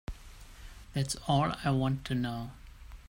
That's all I want to know.